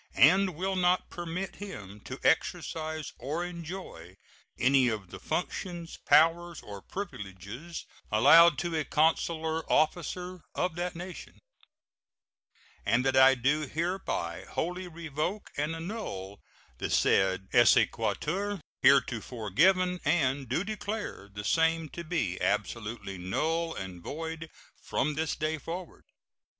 and will not permit him to exercise or enjoy any of the functions, powers, or privileges allowed to a consular officer of that nation; and that I do hereby wholly revoke and annul the said exequatur heretofore given, and do declare the same to be absolutely null and void from this day forward.